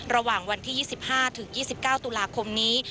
ระหว่างวันที่๒๕๒๙ตุลาคมนี้